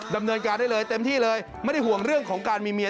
ดำเนินการได้เลยเต็มที่เลยไม่ได้ห่วงเรื่องของการมีเมีย